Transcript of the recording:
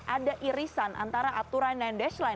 ada irisan antara aturan nine dash line